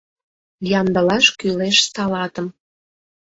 Ямдылаш кӱлеш салатым